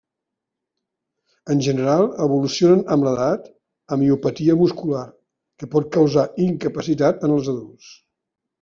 En general evolucionen amb l'edat a miopatia muscular, que pot causar incapacitat en els adults.